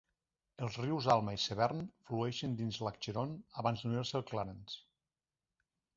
Els rius Alma i Severn flueixen dins l'Acheron abans d'unir-se al Clarence.